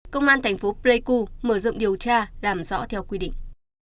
công an tp pleiku mở rộng điều tra đảm rõ theo quy định